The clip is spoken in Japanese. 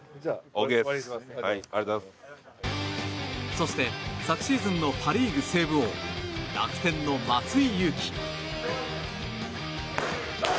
そして昨シーズンのパ・リーグセーブ王楽天の松井裕樹。